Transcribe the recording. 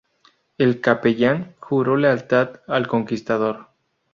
El capellán juró lealtad al conquistador.